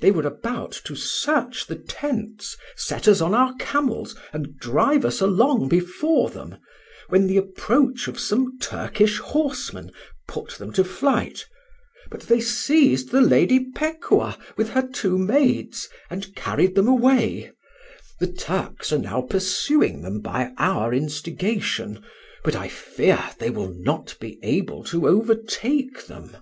They were about to search the tents, set us on our camels, and drive us along before them, when the approach of some Turkish horsemen put them to flight: but they seized the Lady Pekuah with her two maids, and carried them away: the Turks are now pursuing them by our instigation, but I fear they will not be able to overtake them."